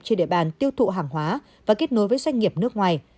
trên địa bàn tiêu thụ hàng hóa và kết nối với doanh nghiệp nước ngoài